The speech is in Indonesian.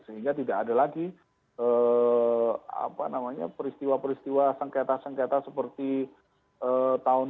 sehingga tidak ada lagi peristiwa peristiwa sengketa sengketa seperti tahun dua ribu